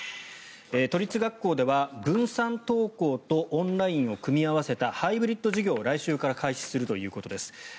都立学校では分散登校とオンラインを組み合わせたハイブリッド授業を来週から開始するということです。